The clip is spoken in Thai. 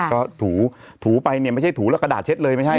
ก็ถูถูไปเนี่ยไม่ใช่ถูแล้วกระดาษเช็ดเลยไม่ใช่